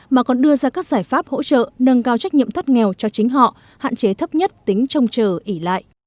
mà còn đưa ra các giải pháp hỗ trợ nâng cao trách nhiệm thoát nghèo cho chính họ hạn chế thấp nhất tính trông chờ ỉ lại